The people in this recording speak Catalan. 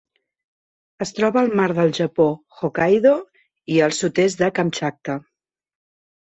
Es troba al mar del Japó, Hokkaido i el sud-est de Kamtxatka.